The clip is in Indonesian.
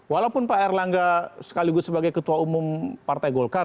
walaupun pak erlangga sekaligus sebagai ketua umum partai golkar